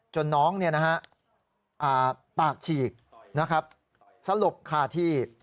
จนน้องปากฉีกสลบคาที่